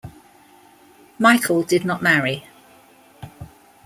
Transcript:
Michell did not marry.